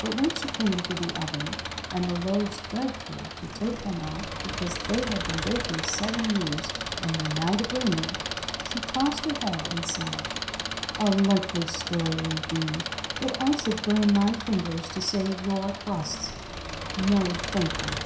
But when she came to the oven, and the loaves begged her to take them out because they had been baking seven years and were nigh to burning, she tossed her head and said : THE TWO SISTERS 123 "A likely story indeed, that I should burn my fingers to save your crusts. No, thank you!"